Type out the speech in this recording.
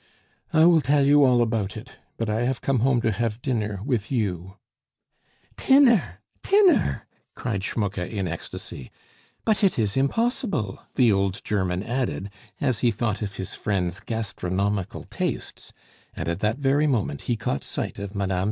"I will tell you all about it; but I have come home to have dinner with you " "Tinner! tinner!" cried Schmucke in ecstasy; "but it is impossible!" the old German added, as he thought of his friend's gastronomical tastes; and at that very moment he caught sight of Mme.